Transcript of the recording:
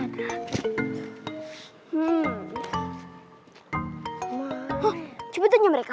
oh cepetannya mereka